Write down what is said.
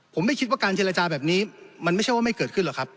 ผมไม่คิดว่าการเจรจาแบบนี้มันไม่ใช่ว่าไม่เกิดขึ้นหรอกครับ